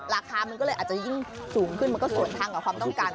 ราคามันก็เลยอาจจะยิ่งสูงขึ้นมันก็ส่วนทางกับความต้องการ